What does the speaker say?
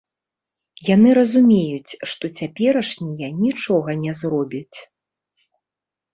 Яны разумеюць, што цяперашнія нічога не зробяць.